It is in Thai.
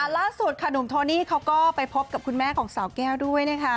ล่าสุดค่ะหนุ่มโทนี่เขาก็ไปพบกับคุณแม่ของสาวแก้วด้วยนะคะ